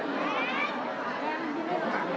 สวัสดีครับ